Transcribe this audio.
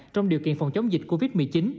trong điều kiện phòng chống dịch covid một mươi chín